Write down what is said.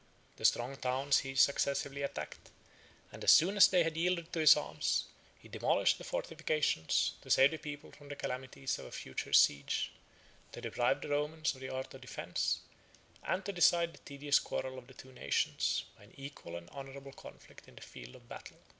The strong towns he successively attacked; and as soon as they had yielded to his arms, he demolished the fortifications, to save the people from the calamities of a future siege, to deprive the Romans of the arts of defence, and to decide the tedious quarrel of the two nations, by an equal and honorable conflict in the field of battle.